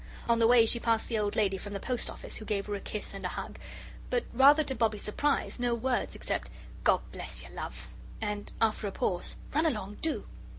On the way she passed the old lady from the Post office, who gave her a kiss and a hug, but, rather to Bobbie's surprise, no words except: "God bless you, love " and, after a pause, "run along do."